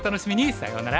さようなら。